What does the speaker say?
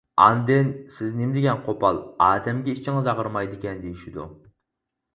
ئاندىن «سىز نېمىدېگەن قوپال، ئادەمگە ئىچىڭىز ئاغرىمايدىكەن» دېيىشىدۇ.